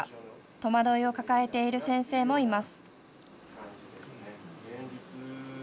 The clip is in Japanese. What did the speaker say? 戸惑いを抱えている先生もいます。